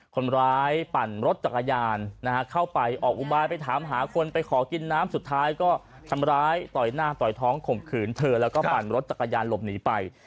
ปั่นรถจักรยานเข้าไปออกอุบายไปถามหาคนไปขอกินน้ำสุดท้ายก็ทำร้ายต่อยหน้าต่อยท้องข่มขืนเธอแล้วก็ปั่นรถจักรยานหลบหนีไป